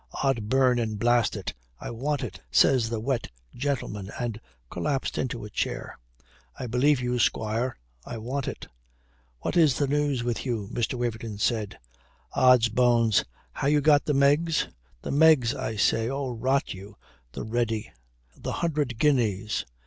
"Od burn and blast it! I want it," says the wet gentleman, and collapsed into a chair. "I believe you, squire. I want it." "What is the news with you?" Mr. Waverton said. "Od's bones, ha' you got the megs? The megs, I say. Oh, rot you, the ready, the hundred guineas?"